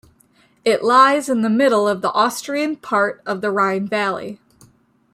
It lies in the middle of the Austrian part of the Rhine valley.